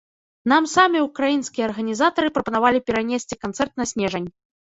Нам самі ўкраінскія арганізатары прапанавалі перанесці канцэрт на снежань.